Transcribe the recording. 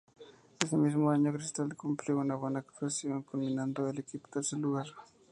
Ese mismo año, Cristal cumplió una buena actuación, culminando el equipo en tercer lugar.